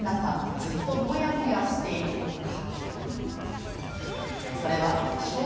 ずっとモヤモヤしていることが。